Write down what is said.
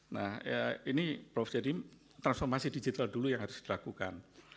nah ini prof jadi transformasi digital dulu yang harus dilakukan